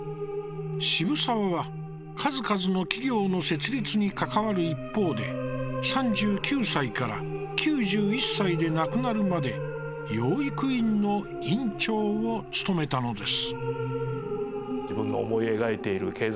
渋沢は数々の企業の設立に関わる一方で３９歳から９１歳で亡くなるまで養育院の院長を務めたのです。